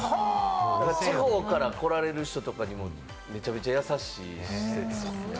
地方から来られる人とかにも、めちゃめちゃやさしいですね。